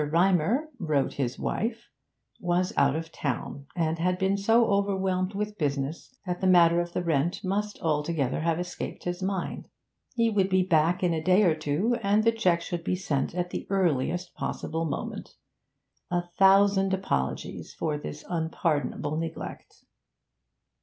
Rymer (wrote his wife) was out of town, and had been so overwhelmed with business that the matter of the rent must have altogether escaped his mind; he would be back in a day or two, and the cheque should be sent at the earliest possible moment; a thousand apologies for this unpardonable neglect.